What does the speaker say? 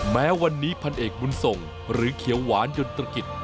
แม้วันนี้พันเอกบุญส่งหรือเขียวหวานยนตรกิจ